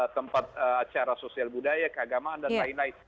tempat acara sosial budaya keagamaan dan lain lain